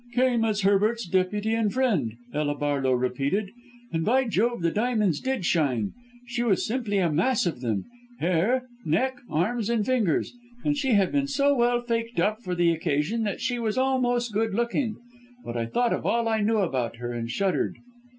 "'Came as Herbert's deputy and friend,' Ella Barlow repeated and by Jove the diamonds did shine she was simply a mass of them, hair, neck, arms and fingers and she had been so well faked up for the occasion that she was almost good looking; but I thought of all I knew about her and shuddered.